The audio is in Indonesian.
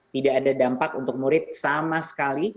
tidak ada dampak untuk murid sama sekali